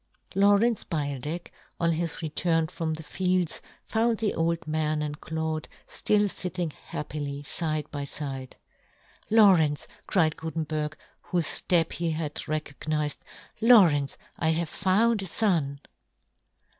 Lawrence Beildech, on his return from the fields, found the old man and Claude ftill fitting happily fide by fide. " Lawrence," cried Guten berg, whofe ftep he had recognized, " Lawrence, I have found a fon